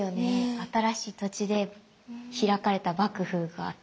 新しい土地で開かれた幕府があって。